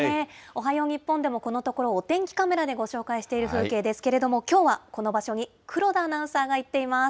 おはよう日本でもこのところ、お天気カメラでご紹介している風景ですけれども、きょうはこの場所に黒田アナウンサーが行っています。